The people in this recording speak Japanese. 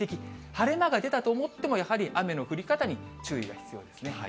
晴れ間が出たと思っても、やはり雨の降り方に注意が必要ですね。